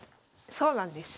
そうなんです。